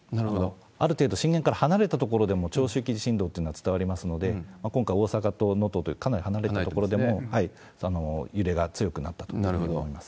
ある程度震源から離れた所でも、長周期地震動っていうのは伝わりますので、今回、大阪と能登という、かなり離れた所でも揺れが強くなったんだと思います。